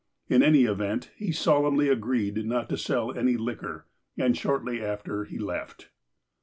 In any event, he solemnly agreed not to sell any liquor, and shortly after he left.